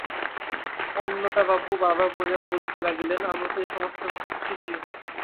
অন্নদাবাবু বার বার করিয়া বলিতে লাগিলেন, আমরা তো এ-সমস্ত কথা কিছুই শুনি নাই।